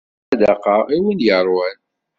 Ssadaqa i win yeṛwan.